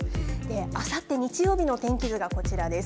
あさって日曜日の天気図がこちらです。